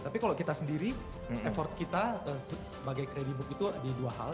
tapi kalau kita sendiri effort kita sebagai kredibook itu di dua hal